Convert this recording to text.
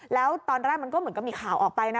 แล้วตอนแรกมันก็เหมือนกับมีข่าวออกไปนะ